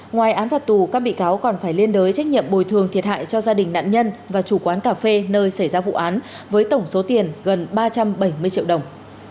ngoài án phạt tù các bị cáo còn phải liên đối trách nhiệm bồi thường thiệt hại cho gia đình nạn nhân và chủ quán cà phê nơi xảy ra vụ án với tổng số tiền gần ba trăm bảy mươi triệu đồng